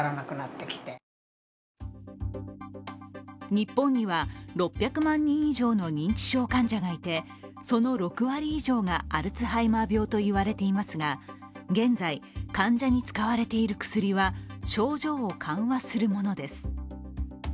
日本には６００万人以上の認知症患者がいてその６割以上がアルツハイマー病といわれていますが現在、患者に使われている薬は症状を緩和するものです。